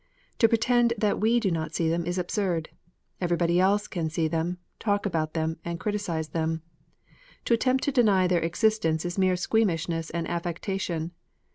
To pretend that we do not see them is absurd. Everybody else can see them, talk about them, and criticise them. To attempt to deny their existence is mere squeamishness and affectation.